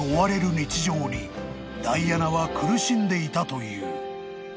［ダイアナは苦しんでいたという］